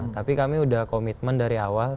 tapi kami sudah komitmen dari awal